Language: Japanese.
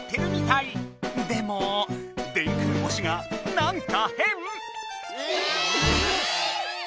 でも「電空星」がなんかへん？え！